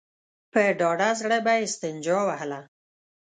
په ډاډه زړه به يې استنجا وهله.